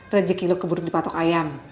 rezeki lu keburu di patok ayam